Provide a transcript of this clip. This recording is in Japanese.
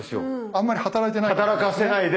あんまり働いてないかも。